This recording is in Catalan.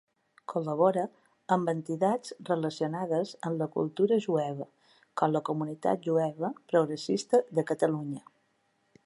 Col·labora amb entitats relacionades amb la cultura jueva com la Comunitat Jueva Progressista de Catalunya.